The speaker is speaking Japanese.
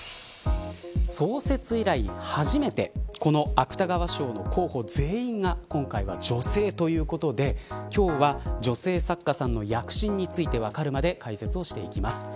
創設以来、初めてこの芥川賞の候補全員が今回は女性ということで今日は女性作家さんの躍進についてわかるまで解説をしていきます。